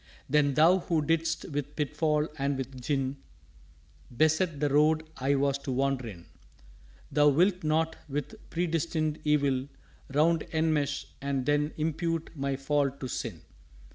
"_Then Thou who didst with pitfall and with gin Beset the Road I was to wander in, Thou wilt not with Predestined Evil round Enmesh, and then impute my fall to sin.